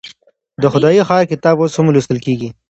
د خدای ښار کتاب اوس هم لوستل کيږي.